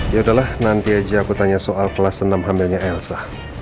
ya udahlah nanti aja aku tanya soal kelas enam hamilnya elsa